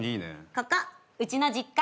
ここうちの実家。